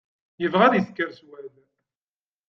Yebɣa ad isker ccwal.